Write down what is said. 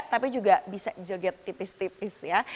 tapi juga bisa joget tipis tipis ya